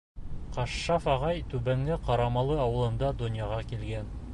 Кашшаф ағай Түбәнге Ҡарамалы ауылында донъяға килгән.